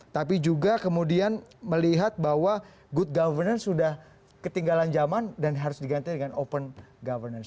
tapi juga kemudian melihat bahwa good governance sudah ketinggalan zaman dan harus diganti dengan open governance